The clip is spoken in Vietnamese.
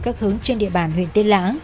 các hướng trên địa bàn huyện tây nã